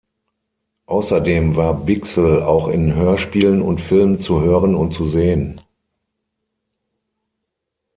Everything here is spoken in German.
Außerdem war Bichsel auch in Hörspielen und Filmen zu hören und zu sehen.